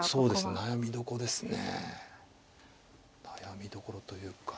悩みどころというか。